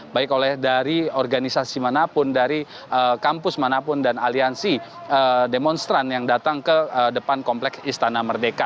baik oleh dari organisasi manapun dari kampus manapun dan aliansi demonstran yang datang ke depan komplek istana merdeka